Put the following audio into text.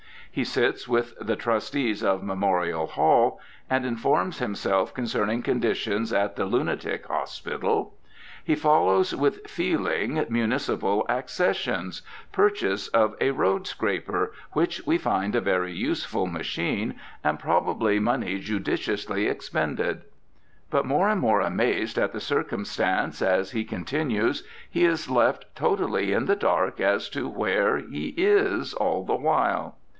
He sits with the "Trustees of Memorial Hall," and informs himself concerning conditions at the "Lunatic Hospital." He follows with feeling municipal accessions, "purchase of a Road scraper, which we find a very useful machine, and probably money judiciously expended." But more and more amazed at the circumstance as he continues he is left totally in the dark as to where he is all the while.